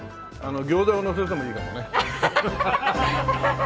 餃子をのせてもいいかもね。